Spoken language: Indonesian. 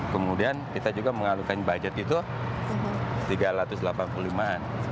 kemudian kita juga mengalukan budget itu tiga ratus delapan puluh lima an